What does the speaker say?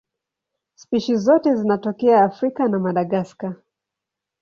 Spishi zote zinatokea Afrika na Madagaska.